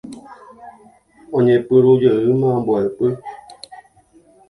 Oñepyrũjeýma mbo'epy.